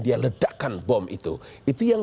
dia ledakan bom itu itu yang